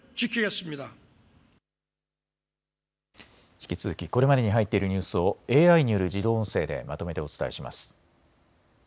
引き続きこれまでに入っているニュースをＡＩによる自動音声でまとめてお伝えします。